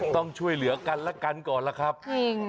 ต้องช่วยเหลือกันและกันก่อนล่ะครับจริง